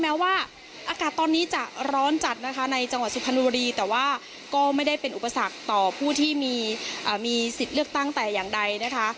แม้ว่าอากาศตอนนี้จะร้อนจัดแหละก็ไม่ได้เป็นอุปสรรคต่อผู้ที่มีศิษฐ์เลือกตั้งแต่อย่างใดนะคะ